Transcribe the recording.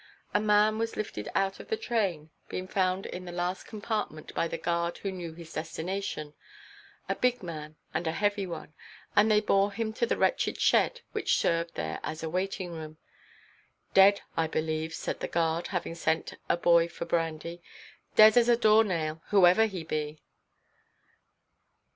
A man was lifted out of the train, being found in the last compartment by the guard who knew his destination—a big man, and a heavy one; and they bore him to the wretched shed which served there as a waiting–room. "Dead, I believe," said the guard, having sent a boy for brandy, "dead as a door–nail, whoever he be."